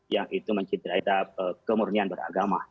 yang itu mencideraikan kemurnian beragama